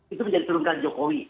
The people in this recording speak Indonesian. itu menjadi turunkan jokowi